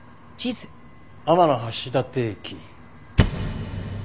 天橋立駅。